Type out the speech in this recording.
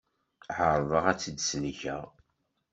Ԑerḍeɣ ad tt-id-sellkeɣ.